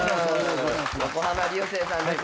横浜流星さんです。